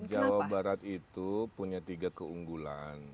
jawa barat itu punya tiga keunggulan